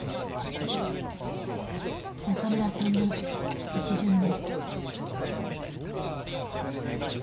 中村さんの１巡目。